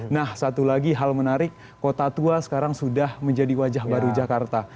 nah satu lagi hal menarik kota tua sekarang sudah menjadi wajah baru jakarta